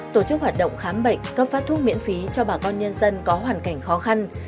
tổ chức hoạt động khám bệnh cấp phát thuốc miễn phí cho bà con nhân dân có hoàn cảnh khó khăn